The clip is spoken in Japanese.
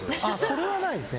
それはないですね。